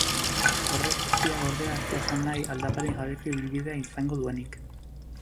Horrek guztiak ordea ez du esan nahi, aldaparik gabeko ibilbidea izango duenik.